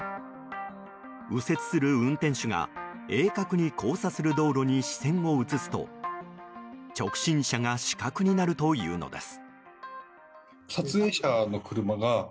右折する運転手が鋭角に交差する道路に視線を移すと、直進車が死角になるというのです。